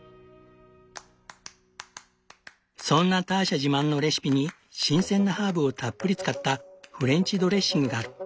そんなターシャ自慢のレシピに新鮮なハーブをたっぷり使ったフレンチドレッシングがある。